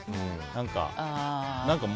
何か。